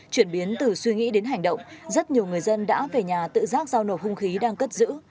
chuyển biến từ suy nghĩ đến hành động rất nhiều người dân đã về nhà tự giác giao nộp hung khí đang cất giữ